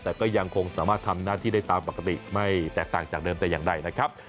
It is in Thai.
แต่ก็ยังคงสามารถทำหน้าที่ได้ตามปกติไม่แตกต่างจากเดิมแต่อย่างใดนะครับ